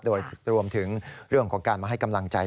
โดยรวมถึงเรื่องของการมาให้กำลังใจ